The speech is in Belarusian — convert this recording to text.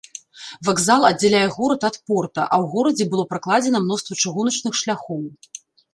Вакзал аддзяляе горад ад порта, а ў горадзе было пракладзена мноства чыгуначных шляхоў.